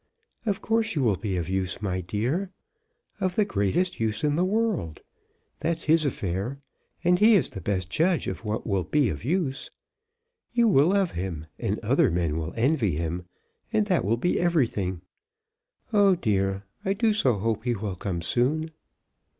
"Of course you will be of use, my dear; of the greatest use in the world. That's his affair, and he is the best judge of what will be of use. You will love him, and other men will envy him, and that will be everything. Oh dear, I do so hope he will come soon."